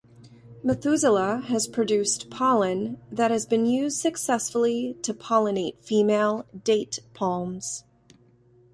Methuselah has produced pollen that has been used successfully to pollinate female date palms.